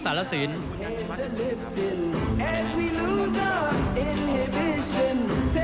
ท่านแรกครับจันทรุ่ม